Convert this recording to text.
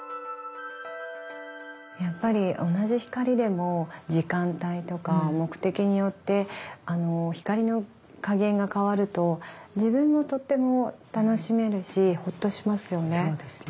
やっぱり同じ光でも時間帯とか目的によって光の加減が変わると自分もとっても楽しめるしほっとしますよね。